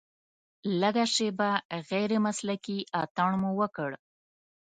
لږه شېبه غیر مسلکي اتڼ مو وکړ.